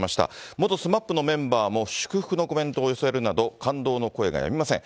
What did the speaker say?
元ＳＭＡＰのメンバーも祝福のコメントを寄せるなど、感動の声がやみません。